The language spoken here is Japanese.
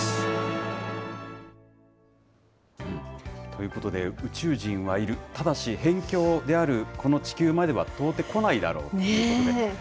ということで、宇宙人はいる、ただし辺境であるこの地球までは到底来ないだろうということで。